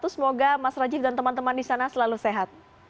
semoga mas rajin dan teman teman di sana selalu sehat